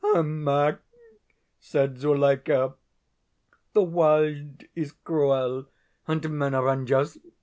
"'Ermak,' said Zuleika, 'the world is cruel, and men are unjust.